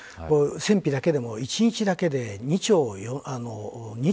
戦費だけでも１日だけで２兆４０００億。